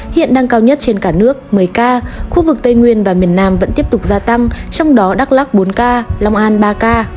hiện đang cao nhất trên cả nước một mươi ca khu vực tây nguyên và miền nam vẫn tiếp tục gia tăng trong đó đắk lắc bốn ca long an ba ca